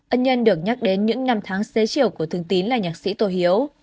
ân nhân được nhắc đến những năm tháng xế chiều của thường tín là nhạc sĩ tô hiếu